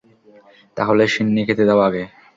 তাহলে শিন্নি খেতে দাও আগে।